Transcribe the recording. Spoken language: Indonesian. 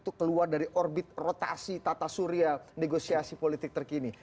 itu keluar dari orbit rotasi tata surya negosiasi politik terkini